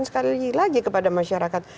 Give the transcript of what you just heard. sekali lagi kepada masyarakat